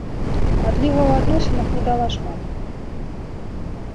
Адліга ў адносінах не дала шмат.